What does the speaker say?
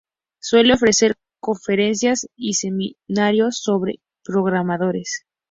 Suele ofrecer conferencias y seminarios sobre programadores.